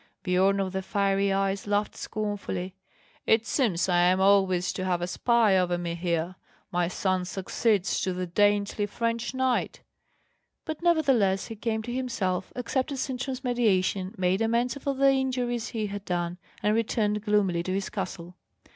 Biorn of the Fiery Eyes laughed scornfully: "It seems I am always to have a spy over me here; my son succeeds to the dainty French knight!" But nevertheless he came to himself, accepted Sintram's mediation, made amends for the injuries he had done, and returned gloomily to his castle.